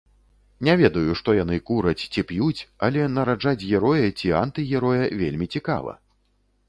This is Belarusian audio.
Не ведаю, што яны кураць ці п'юць, але нараджаць героя ці антыгероя вельмі цікава.